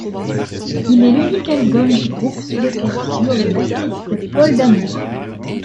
Il est l'unique album du groupe sur lequel figure le bassiste Paul D'Amour.